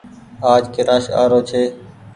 آج ڪيلآش آ رو ڇي۔